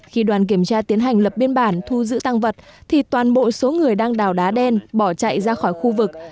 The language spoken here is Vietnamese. khi đoàn kiểm tra tiến hành lập biên bản thu giữ tăng vật thì toàn bộ số người đang đào đá đen bỏ chạy ra khỏi khu vực